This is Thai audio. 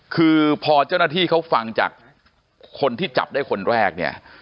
คือพอเจ้าหน้าที่เขาฟังจากคนที่จับได้คนแรกเนี่ย